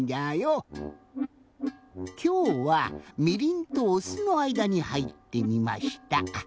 きょうはみりんとおすのあいだにはいってみました。